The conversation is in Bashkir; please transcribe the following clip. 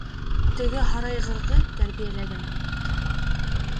Теге һарайғырҙы тәрбиәләгән егет...